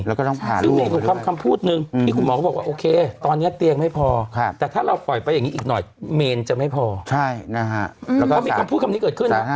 แล้วก็ต้องหาล่วงด้วยนะครับอเจมส์ซึ่งมีอีกคำคำพูดหนึ่ง